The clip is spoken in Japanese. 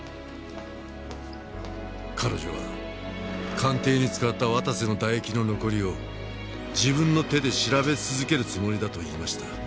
彼女は鑑定に使った綿瀬の唾液の残りを自分の手で調べ続けるつもりだと言いました。